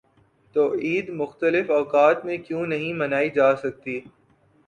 تو عید مختلف اوقات میں کیوں نہیں منائی جا سکتی؟